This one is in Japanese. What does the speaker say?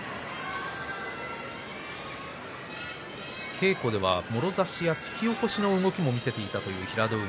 稽古ではもろ差し、突き押しの動きを見せていた平戸海。